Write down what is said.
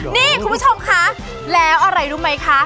นี่คุณผู้ชมคะแล้วอะไรรู้ไหมคะ